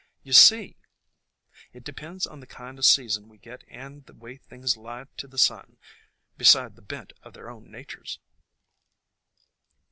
You see, it depends on the kind o' season we get and the way things lie to the sun, beside the bent of their own natures.